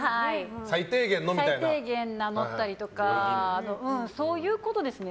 最低限は守ったりとかそういうことですね。